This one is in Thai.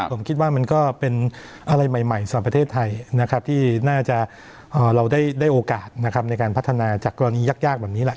ผมคิดว่ามันก็เป็นอะไรใหม่สหรัฐประเทศไทยที่น่าจะเราได้โอกาสในการพัฒนาจากกรณียากแบบนี้